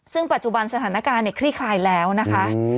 ซึ่งปัจจุบันสถานการณ์คลี่คลายแล้วนะคะ